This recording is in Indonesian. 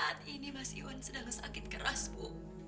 saat ini mas iwan sedang sakit keras bu